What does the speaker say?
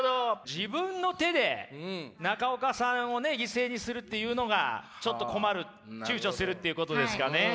自分の手で中岡さんを犠牲にするっていうのがちょっと困るちゅうちょするっていうことですかね？